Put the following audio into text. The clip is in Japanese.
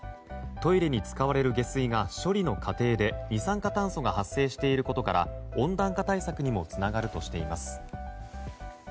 トイレに使われる下水が処理の過程で二酸化炭素が発生していることから温暖化対策にもつながるとしています。